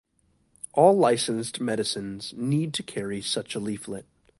All licensed medicines need to carry such a leaflet.